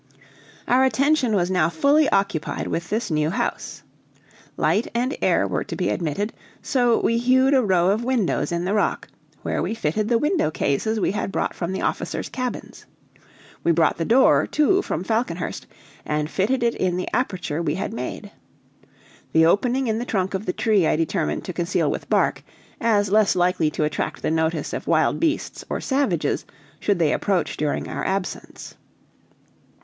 Our attention was now fully occupied with this new house. Light and air were to be admitted, so we hewed a row of windows in the rock, where we fitted the window cases we had brought from the officers' cabins. We brought the door, too, from Falconhurst, and fitted it in the aperture we had made. The opening in the trunk of the tree I determined to conceal with bark, as less likely to attract the notice of wild beasts or savages should they approach during our absence.